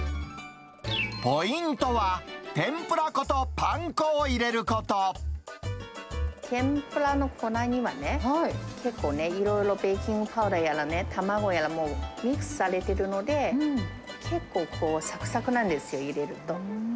ポイントは、天ぷら粉とパン天ぷらの粉にはね、結構ね、いろいろベーキングパウダーやらね、卵やらもうミックスされてるので、結構さくさくなんですよ、入れると。